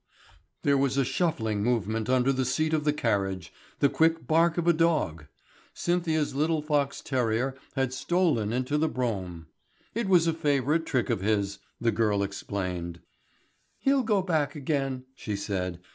There was a shuffling movement under the seat of the carriage, the quick bark of a dog; Cynthia's little fox terrier had stolen into the brougham. It was a favourite trick of his, the girl explained. "He'll go back again," she said.